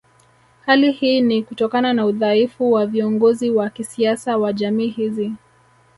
Hali hii ni Kutokana na udhaifu wa viongozi wa kisiasa wa jamii hizi